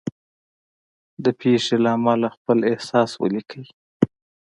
د پېښې له امله خپل احساس ولیکئ.